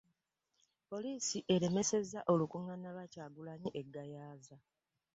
Poliisi eremesezza okukungaana lwa Kyagulanyi e Gayaza